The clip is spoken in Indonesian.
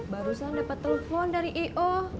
barusan dapet telepon dari i o